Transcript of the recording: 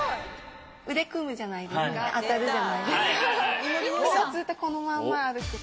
腕組むじゃないですか、当たるじゃないですか。